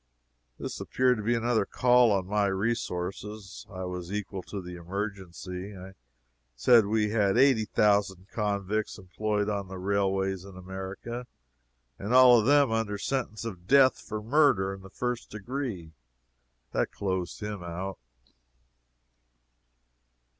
This appeared to be another call on my resources. I was equal to the emergency. I said we had eighty thousand convicts employed on the railways in America all of them under sentence of death for murder in the first degree. That closed him out.